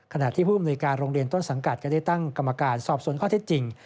ขณะที่ผู้อำนวยการโรงเรียนต้นสังกัดก็ได้ตั้งกรรมการสอบสวนข้อเท็จจริง